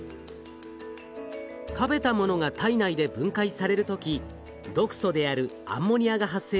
食べたものが体内で分解される時毒素であるアンモニアが発生します。